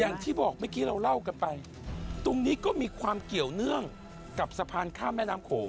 อย่างที่บอกเมื่อกี้เราเล่ากันไปตรงนี้ก็มีความเกี่ยวเนื่องกับสะพานข้ามแม่น้ำโขง